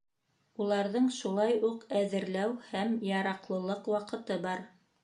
Уларҙың шулай уҡ әҙерләү һәм яраҡлылыҡ ваҡыты бар.